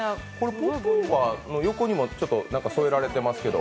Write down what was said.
ポップオーバーの横にも添えられてますけど、